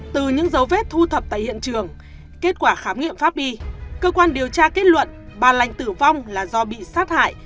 từ những dấu vết thu thập tại hiện trường kết quả khám nghiệm pháp đi cơ quan điều tra kết luận bà lành tử vong là do bị sát hại